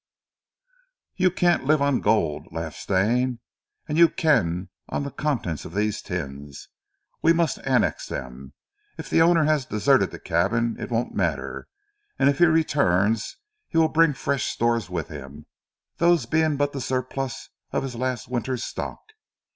"You can't live on gold," laughed Stane, "and you can on the contents of these tins. We must annex them. If the owner has deserted the cabin it won't matter; and if he returns he will bring fresh stores with him, those being but the surplus of his last winter's stock.